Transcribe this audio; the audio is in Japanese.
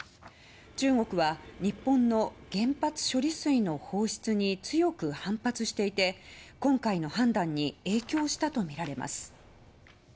中国は日本の原発処理水の放出に強く反発していて今回の判断に影響したとみられます。